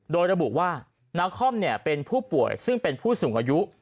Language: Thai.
โดยระบุว่านาคอมเป็นผู้ป่วยซึ่งเป็นผู้สูงอายุ